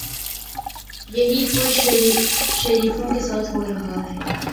یہی کچھ شریفوں کے ساتھ ہو رہا ہے۔